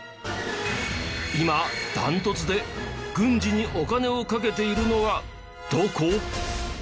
今ダントツで軍事にお金をかけているのはどこ？